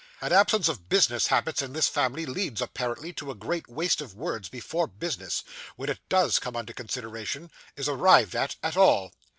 'An absence of business habits in this family leads, apparently, to a great waste of words before business when it does come under consideration is arrived at, at all.